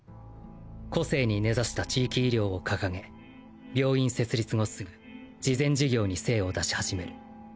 個性に根ざした地域医療を掲げ病院設立後すぐ慈善事業に精を出し始める。